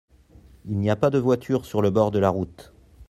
il n'y a pas de voiture sur le bord de la route.